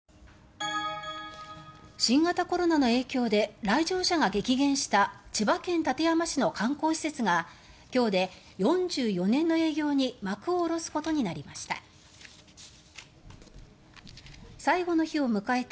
新型コロナの影響で来場者が激減した千葉県館山市の観光施設が今日で４４年の営業に幕を下ろすことになりました。